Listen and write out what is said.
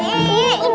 ini ini punya